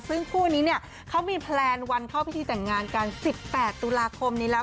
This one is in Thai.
ซึ่งคู่นี้เนี่ยเขามีแพลนวันเข้าพิธีแต่งงานกัน๑๘ตุลาคมนี้แล้ว